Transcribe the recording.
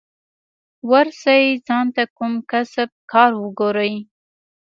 ورسئ ځان ته کوم کسب کار وگورئ.